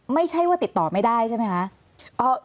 ไม่ใช่ว่าติดต่อไม่ได้ใช่ไหมคะ